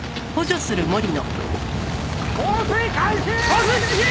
放水開始！